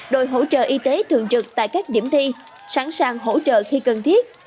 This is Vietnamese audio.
đội hỗ trợ y tế thường trực tại các điểm thi sẵn sàng hỗ trợ khi cần thiết